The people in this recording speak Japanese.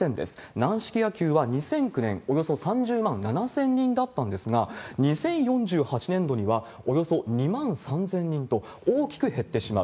軟式野球は２００９年、およそ３０万７０００人だったんですが、２０４８年度には、およそ２万３０００人と大きく減ってしまう。